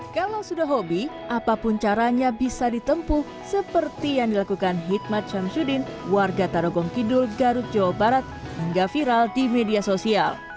kalau sudah hobi apapun caranya bisa ditempuh seperti yang dilakukan hitmat syamsuddin warga tarogong kidul garut jawa barat hingga viral di media sosial